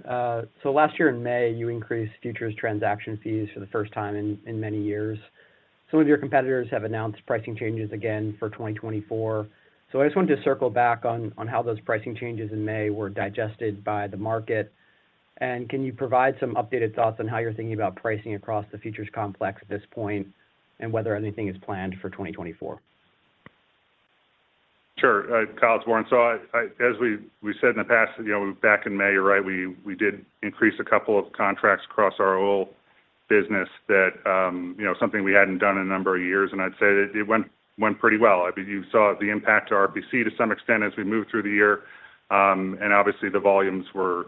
So last year in May, you increased futures transaction fees for the first time in many years. Some of your competitors have announced pricing changes again for 2024. So I just wanted to circle back on how those pricing changes in May were digested by the market. And can you provide some updated thoughts on how you're thinking about pricing across the futures complex at this point, and whether anything is planned for 2024? Sure. Kyle, it's Warren. So I, I, as we, we said in the past, you know, back in May, you're right, we, we did increase a couple of contracts across our oil business that, you know, something we hadn't done in a number of years, and I'd say it went, went pretty well. I mean, you saw the impact to RPC to some extent as we moved through the year. And obviously, the volumes were,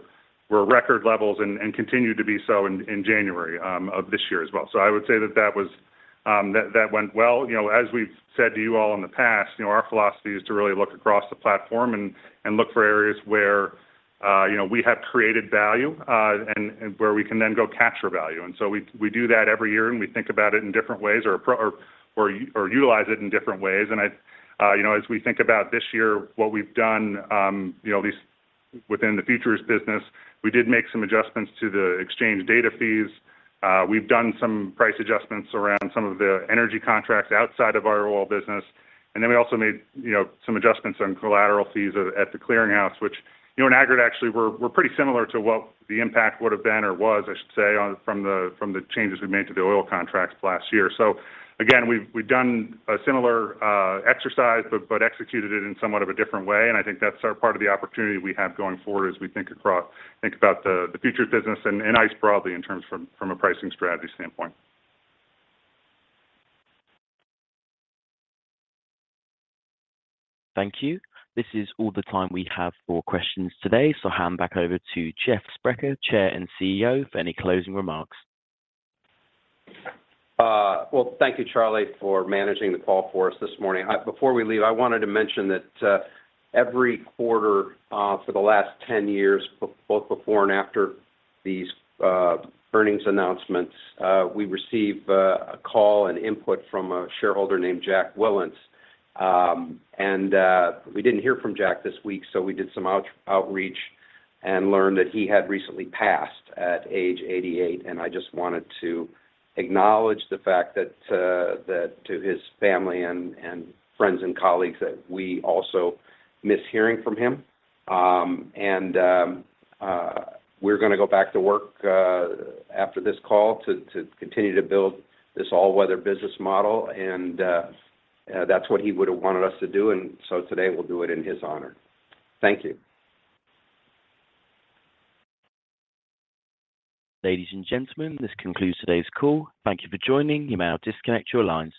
were record levels and, and continue to be so in, in January, of this year as well. So I would say that that was, that, that went well. You know, as we've said to you all in the past, you know, our philosophy is to really look across the platform and look for areas where, you know, we have created value, and where we can then go capture value. And so we do that every year, and we think about it in different ways or utilize it in different ways. And I, you know, as we think about this year, what we've done, you know, at least within the futures business, we did make some adjustments to the exchange data fees. We've done some price adjustments around some of the energy contracts outside of our oil business. And then we also made, you know, some adjustments on collateral fees at the clearinghouse, which, you know, in aggregate, actually, were pretty similar to what the impact would have been or was, I should say, on—from the changes we made to the oil contracts last year. So again, we've done a similar exercise, but executed it in somewhat of a different way, and I think that's our part of the opportunity we have going forward as we think across—think about the future business and ICE broadly, in terms from a pricing strategy standpoint. Thank you. This is all the time we have for questions today. So I'll hand back over to Jeff Sprecher, Chair and CEO, for any closing remarks. Well, thank you, Charlie, for managing the call for us this morning. Before we leave, I wanted to mention that every quarter for the last 10 years, both before and after these earnings announcements, we receive a call and input from a shareholder named Jack Willens. And we didn't hear from Jack this week, so we did some outreach and learned that he had recently passed at age 88, and I just wanted to acknowledge the fact that to his family and friends and colleagues, that we also miss hearing from him. And we're gonna go back to work after this call to continue to build this all-weather business model, and that's what he would have wanted us to do, and so today we'll do it in his honor. Thank you. Ladies and gentlemen, this concludes today's call. Thank you for joining. You may now disconnect your lines.